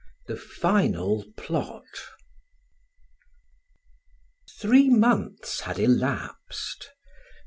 THE FINAL PLOT Three months had elapsed.